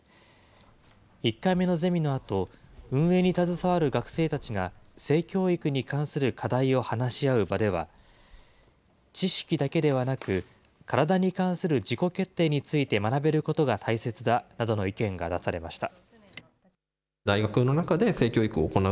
１回目のゼミのあと、運営に携わる学生たちが、性教育に関する課題を話し合う場では、知識だけではなく、体に関する自己決定について学べることが大切だなどの意見が出されました。